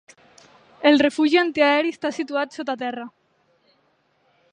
El refugi antiaeri està situat sota terra.